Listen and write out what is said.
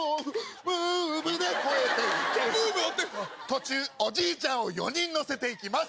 途中おじいちゃんを４人乗せていきます！